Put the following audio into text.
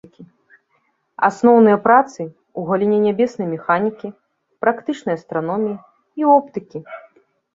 Асноўныя працы ў галіне нябеснай механікі, практычнай астраноміі і оптыкі.